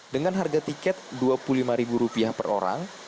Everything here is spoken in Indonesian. dengan harga tiket rp dua puluh lima per orang